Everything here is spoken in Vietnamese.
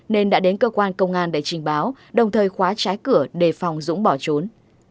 nên đã đến cơ quan công an để trình báo đồng thời khóa trái cửa đề phòng dũng bỏ trốn